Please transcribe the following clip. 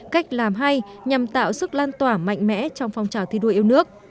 cách làm hay nhằm tạo sức lan tỏa mạnh mẽ trong phong trào thi đua yêu nước